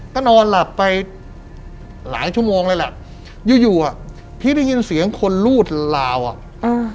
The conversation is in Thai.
ก็โน่นหลับไปหลายชั่วโมงไว้อยู่อยู่อะพี่ได้ยินเสียงคนรูดลาวอะ